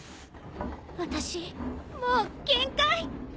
私もう限界。